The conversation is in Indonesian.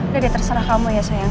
jadi terserah kamu ya sayang